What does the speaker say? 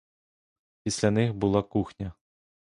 Після них була кухня.